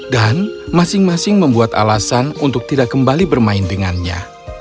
dan masing masing membuat alasan untuk tidak kembali bermain dengannya